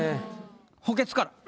補欠から。